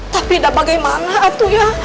tapi dah bagaimana atu ya